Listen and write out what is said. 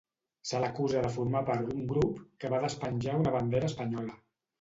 Se l'acusa de formar part d'un grup que va despenjar una bandera espanyola.